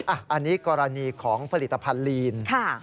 อันนี้กรณีของผลิตภัณฑ์ลีน